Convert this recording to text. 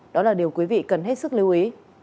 đó là điều quý vị cần hết sức lưu ý